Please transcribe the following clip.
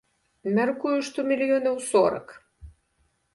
Мяркую, што мільёнаў сорак.